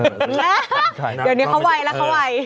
เดี๋ยวนี้เขาไวแล้วเขาไว